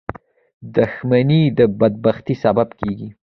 • دښمني د بدبختۍ سبب کېږي.